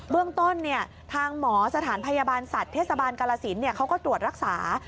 เบื้องต้นเนี่ยทางหมอสถานพยาบาลสัตว์เทศบาลกรสินเนี่ยเขาก็ตรวจรักษา